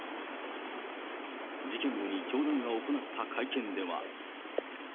事件後に教団が行った会見では。